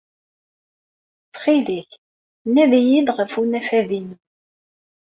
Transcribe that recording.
Ttxil-k, nadi-iyi-d ɣef unafad-inu.